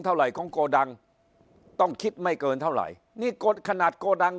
เท่าไหร่ของโกดังต้องคิดไม่เกินเท่าไหร่นี่กดขนาดโกดัง